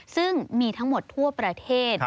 ซึ่งมีทั้งหมดทั่วประเทศ